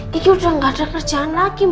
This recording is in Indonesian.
udah gak ada kerjaan lagi